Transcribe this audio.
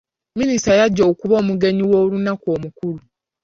Minisita y'ajja okuba omugenyi w'olunaku omukulu.